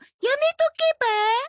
やめとけば？